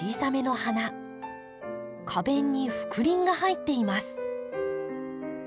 花弁に覆輪が入っています。